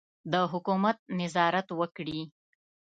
د حکومت نظارت وکړي.